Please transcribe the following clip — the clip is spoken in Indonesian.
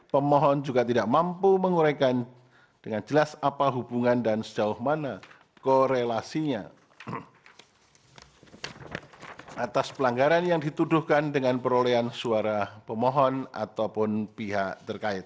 pemohon juga tidak mampu menguraikan dengan jelas apa hubungan dan sejauh mana korelasinya atas pelanggaran yang dituduhkan dengan perolehan suara pemohon ataupun pihak terkait